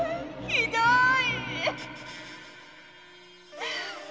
ひどい！